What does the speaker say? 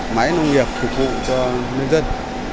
máy nông nghiệp phục vụ cho nông dân